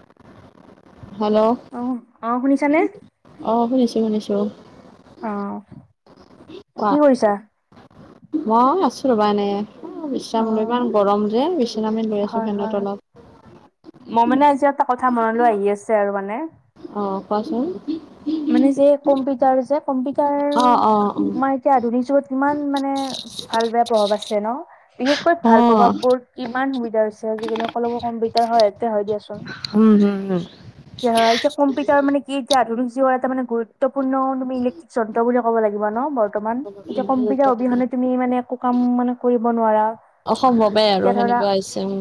[inaudible] Hello অ অ শুনিছানে? অ শুনিছোঁ, শুনিছোঁ। অ কোৱা কি কৰিছা? মই আছো ৰবা এনে অ বিশ্ৰাম লৈ ইমান গৰম যে বিশ্ৰামে লৈ আছো হয় ফেনৰ হয় অলপ। মই মানে আজি এটা কথা মনলৈ আহি আছে আৰু মানে। অ কোৱাচোন? মানে যে কম্পিউটাৰ যে কম্পিউটাৰ, অ অ উম আমাৰ এতিয়া আধুনিক যুগত কিমান মানে ভাল বেয়া প্ৰভাৱ আছে ন। বিশেষকৈ অ ভাল প্ৰভাৱ বোৰ কিমান সুবিধা হৈছে আজিকালি। সকলোবোৰ কম্পিউটাৰ সহায়ত দিয়া হয় দিয়াচোন। উম হম এতিয়া এতিয়া কম্পিউটাৰ মানে কি এতিয়া আধুনিক আজিও এটা মানে গুৰুত্বপূৰ্ণ তুমি ইলেকট্ৰিক যন্ত্ৰ বুলি কব লাগিব ন বৰ- বৰ্তমান যে কম্পিউটাৰ গুৰুত্বপূৰ্ণ অবিহনে তুমি মানে একো কাম মানে কৰিব নোৱাৰা। অসম্ভৱে এতিয়া আৰু ধৰা সেনেকুৱা হৈছে উম।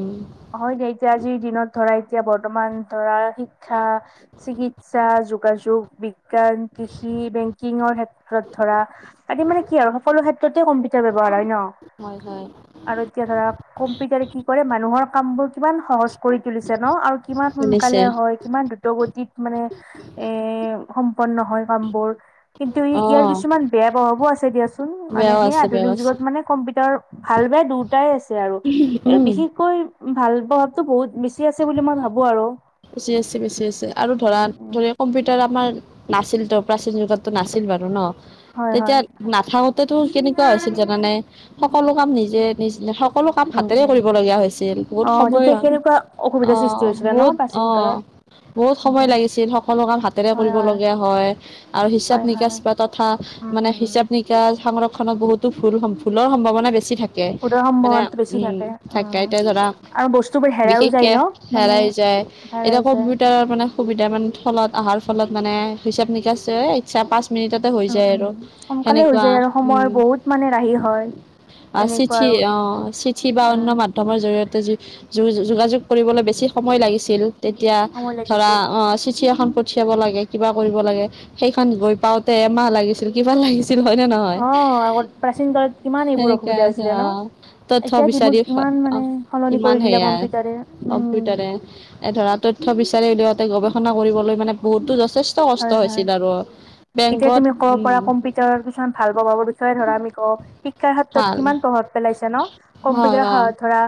হয় দে এতিয়া আজিৰ দিনত ধৰাই। এতিয়া বৰ্তমান ধৰা শিক্ষা, চিকিৎসা, যোগাযোগ বিজ্ঞান, কৃষি, বেংকিঙৰ ক্ষেত্ৰত ধৰা আদি মানে কি আৰু সকলো ক্ষেত্ৰ- টো কম্পিউটাৰ ব্যৱহাৰ হয় ন। হয় হয় আৰু এতিয়া ধৰা কম্পিউটাৰ কি কৰে মানুহৰ কাম বোৰ কিমান সহজ কৰি তুলিছে ন আৰু কিমান শুনিছে সোনকালে হয় কিমান দ্ৰুত গতিত। মানে এ সম্পন্ন হয় কামবোৰ। কিন্তু ই অ ইয়াৰ কিছুমান বেয়া প্ৰভাৱো আছে দিয়াচোন মানে বেয়াও সেই আছে বেয়াও আধুনিক আছে যুগত মানে কম্পিউটাৰ ভাল বেয়া দুটাই আছে আৰু এই উম বিশেষকৈ ভাল প্ৰভাৱটো বহুত বেছি আছে বুলি মই ভাবো আৰু। বেচি আছে বেচি আছে আৰু ধৰা উম উম ধ কম্পিউটাৰ আমাৰ নাছিল তো প্ৰাচীন যুগতো নাছিল বাৰু ন হয় হয় তেতিয়া নাথাকোতেতো কেনেকুৱা হৈছিল জানানে সকলো কাম নিজে নিজে সকলো কাম উম হাতেৰে উম কৰিবলগীয়া হৈছিল বহুত অ সময় তেতিয়া কেনেকুৱা অ অসুবিধাৰ সৃষ্টি হৈছিলে ন বহুত প্ৰাচীন অঁ কালত বহুত সময় লাগিছিল সকলো কাম হাতেৰে কৰিব লগীয়া হয় আৰু হিচাপ হয় নিকাচ হয় বা তথা উম মানে উম হিচাপ নিকাচ সংৰক্ষণক বহুতো ভুল-ভুল ৰ সম্ভাৱনা বেছি থাকে। সুদৰ মানে সম্ভাৱনাটো বেছি উম থাকে থাক উম এতি [unintelligible] ধৰা আৰু বস্তুবোৰ হেৰাইও যায় বিশেষকে ন মানে হেৰাই যায়৷ হেৰাই এতিয়া যায় কম্পিউটাৰৰ মানে সুবিধা মান ফলত অহাৰ ফলত মানে হিচাপ নিকাচ ইচ্ছা পাছ মিনিটতে হৈ উম যায় উম আৰু সোনকালে হৈ যায় সেনেকোৱা৷ আৰু সময়ৰ বহুত মানে ৰাহি হয় অ তেনেকুৱা চিঠি আৰু অ চিঠি বা অন্য উম মাধ্যমৰ জৰিয়ত তা য যোগাযোগ কৰিবলৈ বেছি সময় লাগিছিল তেতিয়া সময় ধৰা লাগিছিল অ চিঠি এখন পঠিয়াব লাগে কিবা কৰিব লাগে সেইখন গৈ পাওঁতে এমাহ লাগিছিল কিবা লাগিছিল হয় নে নহয় অ আগত প্ৰাচীন কালত কিমান এইবোৰ সেনেকা অসুবিধা আ হৈছিলে ন অ তথ্য এতিয়া দিনত বিচাৰি ইমান অ মানে সলনি কিমান কৰি দিলে সেয়া কম্পিউটাৰে উম কম্পিউটাৰে এ ধৰা তথ্য বিচাৰি উলিআওঁতে গৱেষণা কৰিবলৈ মানে বহুতো যথেষ্ট কষ্ট হয় হয় হৈছিল আৰু এতিয়া বেংকত তুমি কব উম পৰা কম্পিউটাৰত কিছুমান ভাল পাব বিচে ধৰা আমি কওঁ শিক্ষাৰ ক্ষেত্ৰত ভাল কিমান প্ৰভাৱ পেলাইছে ন হয় কম্পিউটাৰৰ হয় সহায়ত ধৰা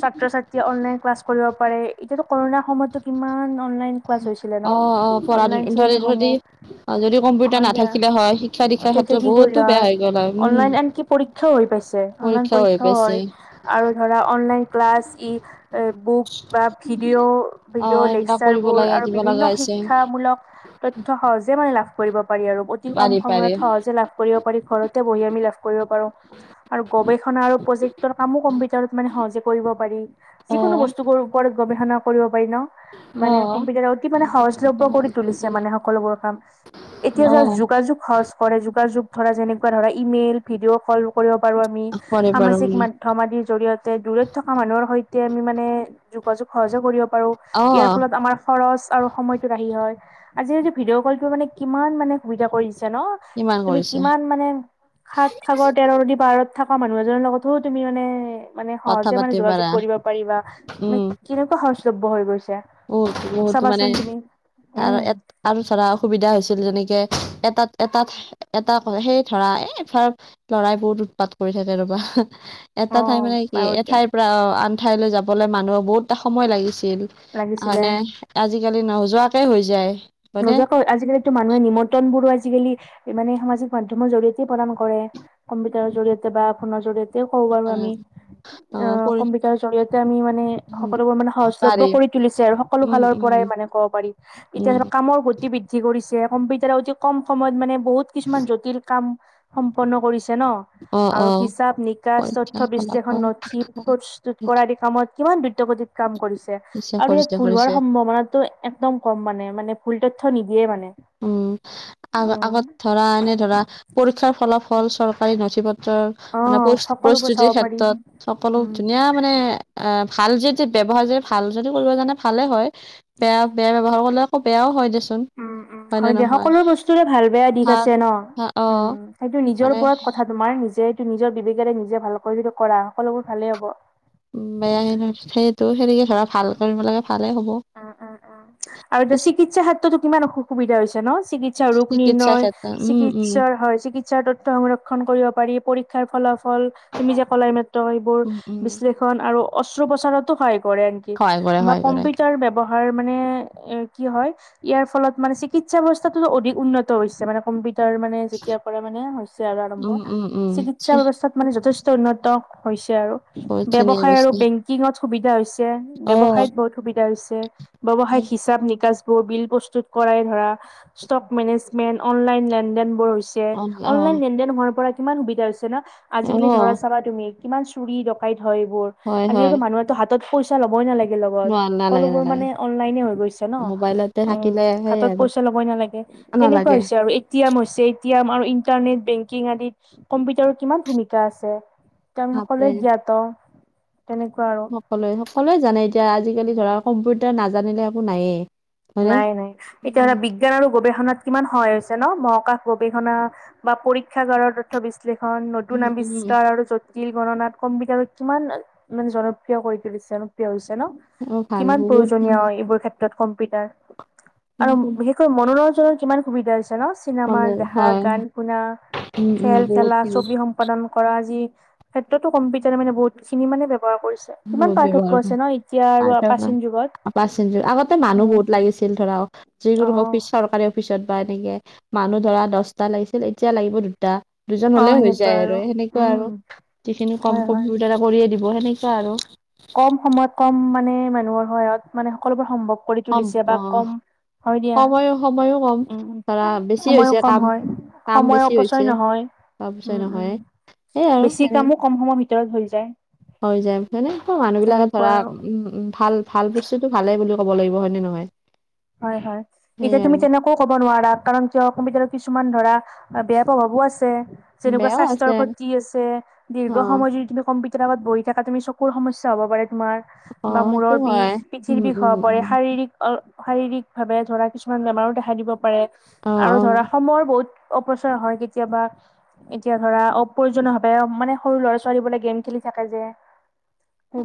ছাত্ৰ ছাত্ৰীয়ে অনলাইন ক্লাছ কৰিব পাৰে এতিয়াতো কৰুনা সময়তো কিমান অনলাইন ক্লাছ হৈছিলে অ ন অ পঢ়া অনলাইন ধৰি শ্ৰেণী যদি সমূহ যদি কম্পিউটাৰ হয় দিয়া নাথাকিলে হয় শিক্ষা দীক্ষাৰ তেতিয়া ক্ষেত্ৰত কি বহুতো কৰিলা বেয়া হয় আৰু হৈ গ'ল উম অনলাইন আনকি পৰীক্ষাও হৈ হৈছে অনলাইন পৰীক্ষা হৈ পৰীক্ষাও পাইছে হয় আৰু ধৰা অনলাইন ক্লাছ ই বুক বা ভিডিঅ অ ভিডিঅ সেইবিলাক কৰিব লেকচাৰবোৰ লগা আৰু দিব বিভিন্ন লগা শিক হৈছে শিক্ষামূলক তথ্য সহজে মানে লাভ কৰিব পাৰি আৰু অতি কম পাৰি পাৰি সময়ত সহজে লাভ কৰিব পাৰি ঘৰতে বহি আমি লাভ কৰিব পাৰো। আৰু গৱেষণা আৰু প্ৰজেক্টৰ কামো কম্পিউটাৰত মানে সহজে কৰিব পাৰি অ যিকোনো বস্তু ওপৰত গৱেষণা কৰিব পাৰি ন অ মানে কম্পিউটাৰ অতি মানে সহজ সহজ কৰি তুলিছে মানে সকলোবোৰ কাম এতিয়া অ যে যোগাযোগ খৰচ কৰে যা যুগ ধৰা যেনেকুৱা ধৰা ইমেইল ভিডিঅ' কল কৰিব পাৰোঁ আমি কৰে বাৰু সামাজিক মাধ্যম আদিৰ জৰিয়তে দূৰত থকা মানুহৰ সৈত তেতিয়া আমি মানে যোগাযোগ সহজে কৰিব পাৰো অ ইয়াৰ ফলত আমাৰ খৰচ আৰু সময় হয় আজিকালি ভিডিঅ' কল মানে কিমান মানে সুবিধা কৰি দি ন কিমান তুমি কৰিছে কিমান মানে সাত সাগৰ তেৰ নদী পাৰত থাকা মানুহ এজনৰ লগতো তুমি মানে মানে কথা সহজে মানে পাতিব যোগাযোগ পাৰা কৰিব পাৰি বা মে উম কেনেকুৱা সহজলভ্য হৈ গৈছে বহুত বহুতো মানে চাবাচোন তুমি৷ আৰু উম ইয়াত আৰু ধৰা অসুবিধা হৈছে তেনেকে এটাত-এটাত এটা সেই ধৰা এফাৰ লৰাই বহুত উৎপাত কৰি থাকে ৰবা [unintelligible] অ এটা ঠাই মানে কি বাৰু দিয়া এঠাইৰ পৰা আন ঠাইলৈ যাবলৈ মানুহৰ বহুত এটা সময় লাগিছে ছিল লাগিছিলে মানে আজিকালি নহোযোৱাকে হৈ যায়। হয়নে নোজোৱাকৈ আজিকালিতো মানুহে নিমন্ত্ৰণ বোৰাই আজিকালি মানে সামাজিক মাধ্যমৰ জৰিয়তে প্ৰদান কৰে। কম্পিউটাৰৰ জৰিয়তে বা ফোনৰ জৰিয়তে তে কব পাৰো আমি। অ কম্পিউটাৰ জৰিয়তে আমি মানে উম, সকলোবোৰ মানে সহজলভ্য পাৰি কৰি তুলিছে আৰু সকলো উম ফালৰ পৰাই উম মানে ক'ব পাৰি ইতিয়া উম ধৰা গতি বৃদ্ধি কৰিছে কম্পিউটাৰ অতি কম সময়ত মানে বহুত কিছুমান জটিল কাম সম্পন্ন কৰিছে ন অ অ আৰু হিচাপ নিকাচ তথ্য পৰীক্ষা বিশ্লেষণ ফলাফল নথি প্ৰস্তুত কৰা আদি কামত কিমান দ্ৰুতগতিত কাম কৰিছে। আৰু ইয়াত কৰিছে ভুল হোৱাৰ কৰিছে সম্ভাৱনাটো একদম কম মানে মানে ভুল তথ্য নিদিয়ে মানে। উম, আগ অ আগত ধৰা এনে ধৰা পৰীক্ষাৰ ফলাফল চৰকাৰী নথি পত- ত্ৰৰ অ মানে প্ৰস সকলোবোৰ চাব প্ৰস্তুতিৰ পাৰি ক্ষেত্ৰত সকলো উম ধুনীয়া মানে আ, ভাল যদি ব্যৱহাৰ যদি ভাল যদি কৰিব জানে ভালে হয়। বেয়া বেয়া ব্যৱহাৰ কৰিলে আক বেয়াও হয় দেচোন। ওম, নে হয় দিয়া নহয় সকলো বস্তুৰে ভাল বেয়া দিশ ভাল আছে ন? ভা- অ উম, সেইটো নিজৰ মানে ওপৰত কথা তোমাৰ নিজে টো নিজৰ বিবেকেৰে নিজে ভালকৈ যদি কৰা, সকলোবোৰ ভালেই হ'ব। উম, বেয়া হেনাই। সেইটো সেনেকে ধৰা ভাল কৰিব লাগে ভালে হ'ব। অ অ অ আৰু এইটো চিকিৎ- চিকিৎসা ক্ষেত্ৰটো কিমান অসু সুবিধা হৈছে ন? চিকিৎসা ৰোগ চিকিৎসাৰ নিৰ্ণয় ক্ষেত্ৰত উম উম চিকিৎসাৰ হয়, চিকিৎসাৰ তথ্য সংৰক্ষণ কৰিব পাৰি, পৰীক্ষাৰ ফলাফ- হল। তুমি যে কলা, এইমাত্ৰ এইবোৰ উম উম বিশ্লেষণ আৰু অস্ত্ৰোপচাৰটো সহায় কৰে নেকি? সহায় কৰে বা সহায় কৰে কম্পি টাৰ ব্যৱহাৰ মানে এ কি হয়, ইয়াৰ ফলত মানে চিকিৎসা ব্যৱস্থাটো অধিক উন্নত হৈছে মানে কম্পি টাৰ মানে, যেতিয়াৰ পৰা মানে হৈছে আৰু আৰম্ভ, উম উম উম চিকিৎসা ছি, ব্যৱস্থাত মানে যথেষ্ট উন্নত হৈছে আৰু। বহুত ধুনীয়া ব্যৱসায় আৰু বস্তু বেঙ্কিঙত সুবিধা হৈছে। অ ব্যৱসায়ত বহুত সুবিধা হৈছে। ব্যৱসায়িক হিচাপ নি নিকাছবোৰ, বিল প্ৰস্তুত কৰাই ধৰা, ষ্ট'ক মেনেজমেণ্ট, অনলাইন লেনদেনবোৰ হৈ ছে। অ অনলাইন অ লেন-দেন হোৱাৰ পৰা কিমান সুবিধা হৈছে ন'। আজি-কালি অ ধৰা, চাবা তুমি কিমান চুৰি ডকাইত হয় এইবোৰ। হয়, হয়। আজি-কালি মানুহেটো হাতত পইচা ল'বই নালাগে নোৱা লগত। নালাগে, সকলোবোৰ নালাগে। মানে অনলাইনে হৈ গৈছে ন? মোবাইলতে উম, থাকিলে সেই হাতত আৰু পইচা ল'বই নালাগে। তেনেকুৱা নালাগে। হৈছে আৰু এ টি এম হৈছে টি এম আৰু ইণ্টাৰনেট, বেংকিং আদিত কম্পিউটাৰৰ কিমান ভূমিকা আছে। এতিয়া আমি বাপৰে সকলোৱে জ্ঞাত। তেনেকুৱা আৰু সকলোৱে, সকলোৱে জানে এতিয়া আজি-কালি ধৰা কম্পিউটাৰ নাজানিলে একো নায়েই। হয়নে? নাই নাই। তেতিয়া হ'লে বিজ্ঞান আৰু গৱেষণাত কিমান সহায় হৈছে ন। মহাকাশ গৱেষণা বা পৰীক্ষাগাৰৰ তথ্য বিশ্লেষণ, নতুন উম, উম, আৱিষ্কাৰ আৰু জ বিল গণনাত কম্পিউটাৰত কিমান মানে জনপ্ৰিয় কৰি তুলিছে, জনপ্ৰিয় হৈছ ছে ন? অ' ভাল কিমান বহুত প্ৰয়োজনীয় জিনিস হয় এইবোৰ ক্ষেত্ ত্ৰত কম্পিউটাৰ আৰু বিশেষকৈ মনোৰঞ্জনৰ কিমান সুবিধা হৈছ ছে ন? চিনেমা ভালে, দেখা, হয়, গান শুনা, উম, উম, খেল খেলা, বহুতখিনি ছবি সম্পাদন কৰা যি ক্ষেত্ৰতো কম্পিটাৰে মানে, বহুত খিনি মানে ব্যৱ ৱহাৰ কৰিছে। কিমান বহুত পাৰ্থক্য ব্যৱহাৰ আছে ন এতিয়া আৰু প্ৰাচীন যুগত। পাৰ্চেন্টেজ আগতে মানুহ উম বহুত লাগিছিল ধৰা হওক, যিকোনো অ অফিচ চৰকাৰে পিছত বা এনেকে মানুহ ধৰা দচটা লাগিছিল, এতিয়া লাগিব দুটা। দুজন অ হ'লে হৈ সেনেকুৱা যায় আৰু। সেনেকুৱা আৰু, উম যিখিনি কাম হয় হয় কম্পিউটাৰে কৰিয়ে দিব। সেনে কোৱা আৰু কম সময়ত, কম মানে মানুহৰ সহায়ত মানে, সকলোবোৰ সম্ভৱ কৰি সম তুলিছে বা অ কম হয় দিয়া, সময়ো সময়ো কম ধৰা উম। বেছি হৈছে সময়ও কম কাম হয়। কাম সময় বেছি হৈছে অপচয় নহয়। তাৰ পিছত উম, উম নহয় সেই আৰু বেছি সেনে কামো কম সময়ৰ ভিত ৰত হৈ যায়। হৈ যায়, হয় নে? মানুহবিলাকে তেনেকুৱা ধৰা, আৰু উম, উম ভাল ভাল বস্তুটো ভালেই বুলি ক'ব লাগিব হয় নে নহয়? হয়, হয়। এতিয়া সেইয়াই তুমি আৰু তেনেকো ক'ব নোৱাৰা কাৰণ কিয় কম্পিউটাৰত কিছুমান ধৰা, বেয়া প্ৰভাৱো আছে ছে। যেনেকুৱা বেয়াও স্বাস্থ্যৰ আছে ওপৰত দি আছে, অ ৰ্দীঘ সময় যদি তুমি কম্পি টাৰত বহি থাকা তুমি চকুৰ সমস্যা হ'ব পাৰে তোমাৰ অ বা সেইটো মূৰৰ বিষ, হয় পিঠিৰ উম বিষ উম হ'ব পাৰে। উম শাৰীৰিক অ শাৰীৰিক ভাৱে ধৰা কিছুমান বেমাৰো দেখা দিব পাৰে অ আৰু ধৰা সময়ৰ বহুত অপচয় হয় কেতিয়াবা। এতিয়া ধৰা অপ্ৰয়োজনীয়ভাৱে মানে, সৰু ল'ৰা- ছোৱালী বোৰে গেম খেলি থাক কে যে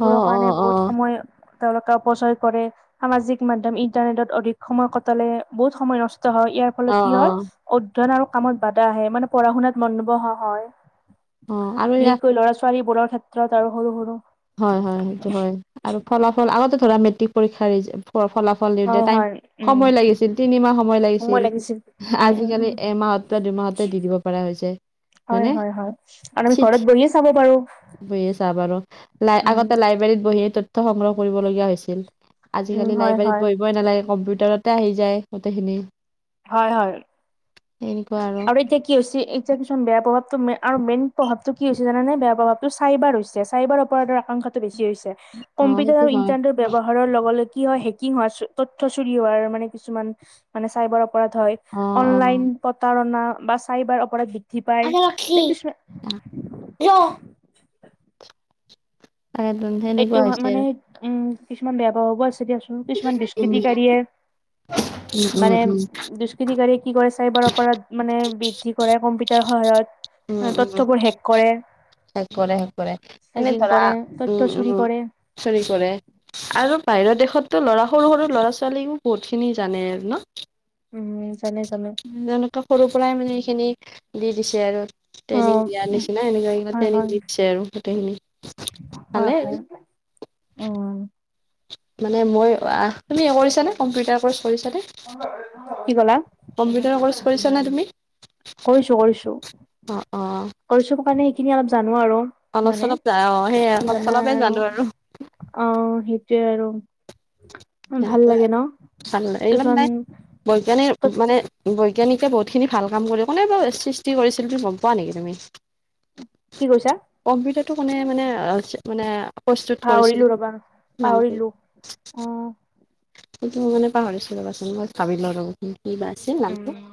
অ অ অ কাৰণে অ বহুত সময় তেওঁলোকে অপচয় কৰে। সামাজিক মাধ্যম ইন্টাৰনেটত অধিক সময় কটালে বহুত সময় নষ্ট হয়। ইয়াৰ অ ফলত কি হয় অ ন আৰু কামত বাধা আহে মানে পঢ়া শুনাত মন নবহা হয়। অ অ আৰু ইয়াত বিশেষকৈ ল'ৰা ছোৱালী বোৰৰ ক্ষেত্ৰত আৰু সৰু সৰু হয় হয় সেইটো হয় আৰু ফলাফল। আগতে ধৰা মেট্ৰিক পৰীক্ষাৰ ৰিজ ফলাফল দিওতে হয় হয় উম টাইম-সময় লাগিছিল তিনিমাহ সময় লাগিছিল। উম উম আজিকালি উম এমাহৰ মাত্ৰ দুমাহতে দি দিব পৰা হৈছে। হয় হয়নে? হয় হয় আৰু আমি চিঠি ঘৰত বহিয়ে চাব পাৰো। বহিয়ে চাব পাৰো লাই উম আগতে লাইব্ৰেৰীত বহিয়ে তথ্য সংগ্ৰহ কৰিবলগীয়া হৈছিল। উম আজিকালি হয় হয় লাইব্ৰেৰীত পঢ়িবই নালাগে কম্পিউটাৰতে আহি যায় গোটেইখিনি হয় হয় আৰু এতিয়া কি হৈছে এতিয়া কিছু বেয়া প্ৰভাৱ টো মে আৰু মেইন প্ৰভাৱ টো কি হৈছে জানানে বেয়া প্ৰভাৱটো চাইবাৰ হৈছে চাইবাৰ অপৰাধৰ আকাংক্ষাটো বেছি ছি হৈছে অ সেইটো কম্পিউটাৰৰ হয় ইন্টানেটৰ ব্যৱহাৰৰ লগে লগ কি হয় হেকিং হয় চ ত চুৰি হোৱাৰ মানে কিছুমান মানে চাইবাৰ অপ ওপৰত হয় অ অনলাইন পটাৰনা চাইবাৰ অপৰাধী অ ঠিপাই এই কিছুমা তাকেতো সেইটো সেনেকুৱা হয় হৈছে মানে আৰু উম কিছুমান বেয়া প্ৰভাৱবো আছে সে দিয়াচোন কিছুমান উম দুষ্কৃতিকাৰীয়ে উম মানে উম দুষ্কৃতিকাৰীয়ে কি কৰে চাইবাৰ অপৰাধ মানে বৃদ্ধি কৰে কম্পিটাৰ সহায়ত তথ্যবোৰ শেষ কৰে হেক কৰে সেক কৰে এনে চেগিং ধৰা কৰে ত উম উম চৰো চৰে আৰু বাহিৰৰ দেশ হতো ল'ৰা সৰু সৰু ল'ৰা ছোৱালীও বহুত খিনি জানে আৰু ন উম যানে যানে প্লাই মানে সেইখিনিক দি দিছে আৰু অ ট্ৰেইনিং দিয়াৰ নিচিনা এনেকুৱা কা হয় ট্ৰেইনিং দি দিছে আৰু গোটেইখিনি হ ভালে হয় উম মানে মই তুমি কৰিছানে কম্পিউটাৰ কৰ্চ কৰিছানে কি ক'লা কম্পিউটাৰ কৰ্ কৰিছা নে তুমি কৰিছো কৰিছো অ অ কৰিছোতো কাৰণে এইখিনি অলপ জান নোৱাৰো অলপ মানে চলপ অ সেই অলপ জানা চলপে আৰু জানো অ সেট তে আৰু ভাল সেনকুৱাই লাগে ন চাল এইমান কিছুমান নাই বৈজ্ঞানি ত মানে বৈজ্ঞানিকে বহুতখিনি ভাল কাম কৰি কোনে বাও সৃষ্টি কৰিছিল বুলি গম পোৱা নিকি তুমি কি কৈছা? টো মানে মানে চি মানে প্ৰস্তুত কৰিছিল পাহৰিলো ৰবা নামটো পাহৰিলো অ [unintelligible] পাহৰিছো ৰবাচোন মই ভাবি লও ৰবাচোন কিবা আছে নামটো উম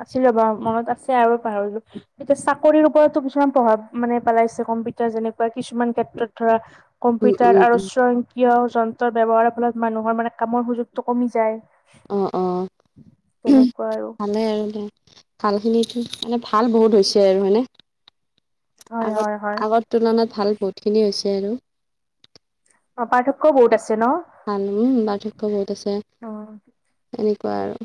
আছিল ৰ'বা মনত আছে আৰু পাহৰিলো তেতিয়া চাকৰিৰ ওপৰতো কিছুমান প্ৰভাৱ মানে পেলাইছে কম্পিটাৰ যেনেকুৱা কিছুমান ক্ষেত্ৰত ধৰা উম, কম্পিটাৰ উম, আৰু উম, স্বয়ংক্ৰিয় যন্ত্ৰৰ ব্যৱহাৰৰ ফলত মানুহৰ মানে কামৰ সুযোগটো কমি যায় [unintelligible] ওম তেনেকুৱা আৰু ভালে আৰু দে ভাল খিনি তো মানে ভাল বহুত হৈছে আৰু হয়নে হয় হয় হয় আগত আগৰ তুলনাত ভাল বহুত খিনি হৈছে আৰু অ পাৰ্থক্যও বহুত আছে ন আন নো পাৰ্থক্য বহুত আছে অ সেনেকুৱা আৰু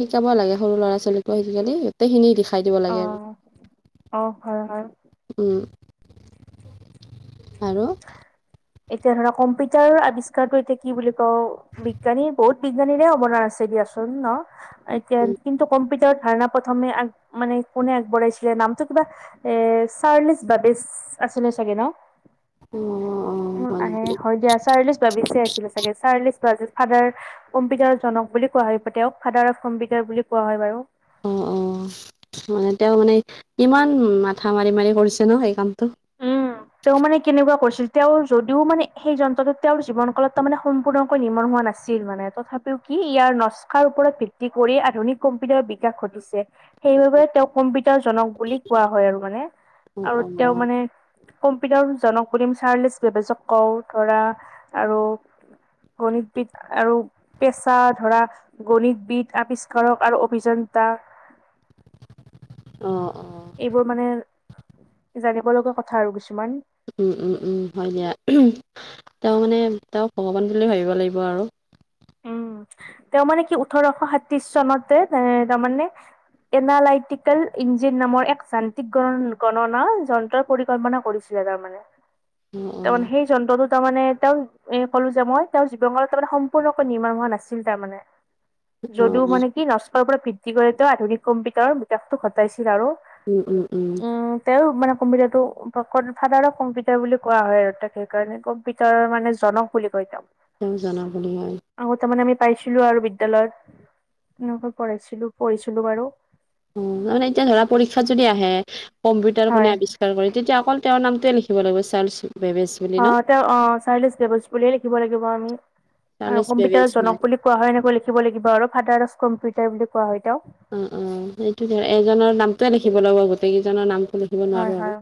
শিকাব লাগে সৰু ল'ৰা ছোৱালীকো আজিকালি গোটেইখিনি দি খাই দিব অ লাগে অ হয় হয় আৰু উম। আৰু এতিয়া ধৰা কম্পিউটাৰৰ আৱিষ্কাৰটো এতিয়া কি বুলি কওঁ, বিজ্ঞানী বহুত বিজ্ঞানীৰে অৱদান আছে এ দিয়া চোন ন এতিয়া উম, কিন্তু কম্পি উটাৰ ধাৰণা প্ৰথমে আগ মানে কোনে আগবঢ়াইছিলে, নামটো কিবা এ চাৰ্লছ বাবেজ। আছিলে চাগে ন? অ', অ', উম হয় আহে নেকি? হয় দিয়া চাৰ্লিছ বাবেছে আছিলে চাগে চাৰ্লিছ কোৱা জিজ ফাডাৰ কম্পিউটাৰ জনক বুলি কোৱা হয় তেওঁক, ফাদাৰ অফ কম্পিউটাৰ বুলিও কোৱা হয় বাৰু। অঁ অঁ মানে তেওঁ মানে ইমান মাথা মাৰি মাৰি কৰিছে ন এই কামটো? উম। তেওঁ মানে কেনেকুৱা কৰিছিল তেওঁ যদিও মানে সেই যন্ত্ৰটো তেওঁৰ জীৱন কালত তাৰ মে সম্পৰ্ণকৈ নিৰ্মণ হোৱা নাছিল মানে তথাপিও কি ইয়াৰ নস্কাৰ ওপৰত ভিত্তি কৰি আধুনিক কম্পিউটাৰ বিকাশ ঘটিছে। সেইবাবে তেওঁক কম্পিউটাৰ জনক বুলি কোৱা হয় আৰু মানে অ', আৰু অ', তেওঁ অ', মানে কম্পিউটাৰ জনক চাৰ্লেছ বেবেজক কওঁ ধৰা আৰু গণিতবিদ আৰু পেচা ধৰা গণিতবিদ আৱিষ্কাৰক আৰু অভিযান তা অ অ। এইবোৰ মানে জানিব লগা কথা আৰু কিছুমান। উম উম উম হয় দিয়া তেওঁ মানে তেওঁক ভগৱান বুলি ভাবিব লাগিব আৰু। উম তেওঁ মানে কি ওঠৰশ সাত্ৰিশ চনতে এ তাৰমানে এনালাইটিকেল ইঞ্জিন নামৰ এক যান্ত্ৰিক গ গণনা যন্ত্ৰৰ পৰিকল্পনা কৰিছিল। জেগামানে। অ', অ', তাৰমানে সেই যন্ত্ৰটো তাৰমানে তেওঁ এ ক'লো যে মই তেওঁৰ জীৱনত তাৰমানে পলকৈ নিৰ্মাণ হোৱা নাছিল তাৰ মানে, অ', অ'। যদিও মানে কি নষ্ট পৰা ভিত্তি কৰি তেওঁ আধুনিক কম্পিউটাৰৰ বিকাশটো ঘটাইছিল আৰু উম, উম, উম তেওঁ মানে কম্পিউটাৰটো ফাডাৰ অফ কম্পিউটাৰ বুলি কোৱা হয় আৰু তাক সেইকাৰণে কম্পিউটাৰৰ মানে য- জনক বুলি কয় তেওঁক। তেওঁক জনক বুলি অ। আগত তাৰমানে আমি পাইছিলো আৰু বিদ দ্যালয়ত তেনেকুৱা কৰাইছিলো পঢ়িছিলো বাৰু। অ তাৰমানে এতিয়া ধৰা পৰীক্ষাত যদি আহে কম্পিউটাৰ হয়। কোনে আৱিষ্কাৰ কৰে তেতিয়া অকল তেওঁৰ নাম তোয়ে লিখিব লাগিব চাৰ্লছো অ তেওঁ অ চাৰ্লছ বেবেজ বুলিয়ে লিখিব লাগিব আমি। আৰু চাৰ্লছ বেবেজ কম্পিউটাৰ নাই। জনক বুলি কোৱা হয় এনেকৈ লিখিব লাগিব আৰু ফাডাৰ অফ কম্পিউটাৰ বুলি। কোৱা হয় তেওঁক। অ অ সেইটোটো এজনৰ নামটোৱে লিখিব লাগিব গোটেই কেইজনৰ নাম লিখিব হয়, নোৱাৰোঁ হয়। আৰু।